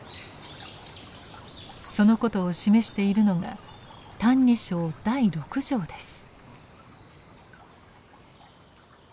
そのことを示しているのが「歎異抄」第六条です。